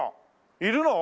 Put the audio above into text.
いるの？